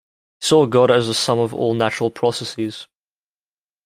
He saw God as the sum of all natural processes.